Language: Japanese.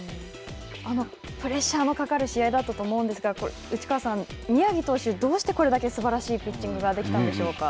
プレッシャーのかかる試合だったと思うんですが、内川さん、宮城投手どうしてこれだけすばらしいピッチングができたんでしょうか。